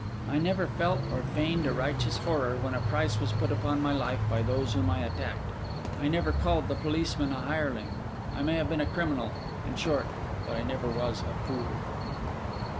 I never felt or feigned a righteous horror, when a price was put upon my life by those whom I attacked. I never called the policeman a hireling. I may have been a criminal, in short; but I never was a fool.